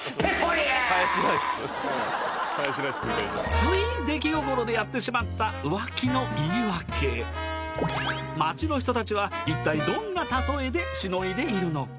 つい出来心でやってしまった街の人たちは一体どんなたとえでしのいでいるのか？